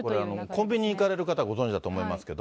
これ、コンビニ行かれる方、ご存じだと思いますけど。